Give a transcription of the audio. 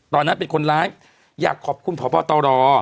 ตอนนั้นเป็นคนร้ายอยากขอบคุณพบตร